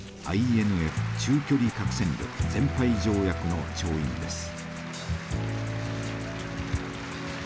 中距離核戦力全廃条約の調印です。